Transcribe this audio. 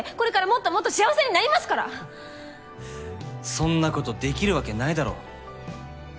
そんなことできるわけないだろ。